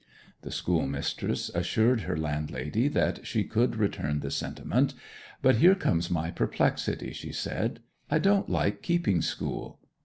The schoolmistress assured her landlady that she could return the sentiment. 'But here comes my perplexity,' she said. 'I don't like keeping school.